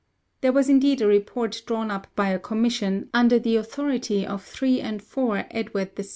There was indeed a report drawn up by a commission, under the authority of 3 and 4 Edward VI.